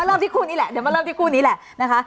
เดี๋ยวมาเริ่มที่คู่นี้แหละ